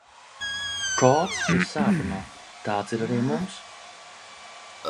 Kods ir sākumā! Tāds ir arī mums.